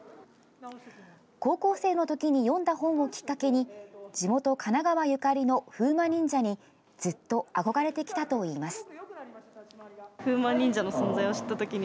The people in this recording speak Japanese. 高校生のときに読んだ本をきっかけに、地元、神奈川ゆかりの風魔忍者にずっと憧れてきたといいます。